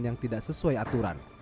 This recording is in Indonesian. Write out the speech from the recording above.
yang tidak sesuai aturan